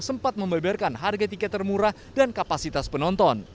sempat membeberkan harga tiket termurah dan kapasitas penonton